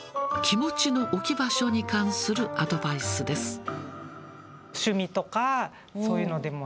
気持ちの置き場所に関するアドバイスです。